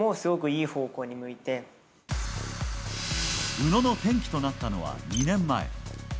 宇野の転機となったのは２年前。